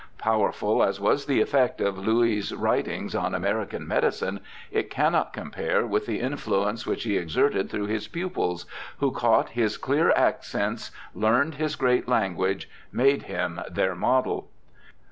Powerful as was the effect of Louis' writings on American medicine, it cannot compare with the in fluence which he exerted through his pupils, who 'caught his clear accents, learned his great language, made him their model'.